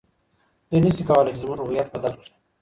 دوی نسي کولای چي زموږ هویت بدل کړي.